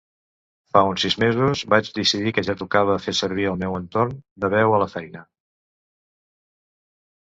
Fa un sis mesos vaig decidir que ja tocava fer servir el meu entorn de veu a la feina.